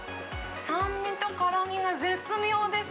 酸味と辛みが絶妙です。